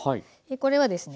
これはですね